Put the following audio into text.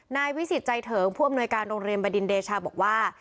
วิสิตใจเถิงผู้อำนวยการโรงเรียนบดินเดชาบอกว่า